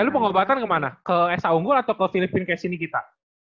eh lu penguatan kemana ke sa unggul atau ke filipina kayak sini kita